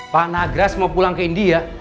pak nagras mau pulang ke india